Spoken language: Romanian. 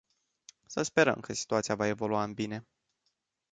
Să sperăm că situația va evolua în bine.